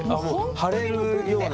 もう腫れるような。